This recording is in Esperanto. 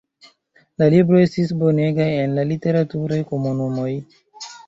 La libro estis bonega en la literaturaj komunumoj.